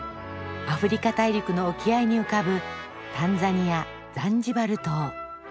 アフリカ大陸の沖合に浮かぶタンザニア・ザンジバル島。